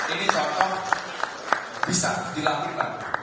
ini contoh bisa dilakukan